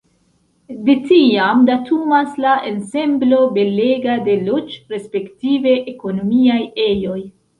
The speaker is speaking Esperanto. De tiam datumas la ensemblo belega de loĝ- respektive ekonomiaj ejoj.